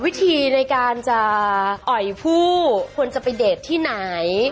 วิธีในการจะอ่อยผู้ควรจะไปเดทที่ไหน